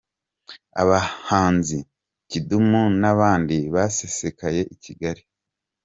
Abahanzi Kidumu na bandi basesekaye i Kigali